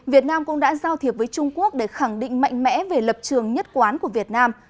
việt nam cũng đã giao thiệp với trung quốc để khẳng định mạnh mẽ về lập trường nhất quán của việt nam